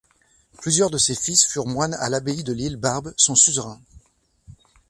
Plusieurs de ses fils furent moines à l’abbaye de l’Île Barbe, son suzerain.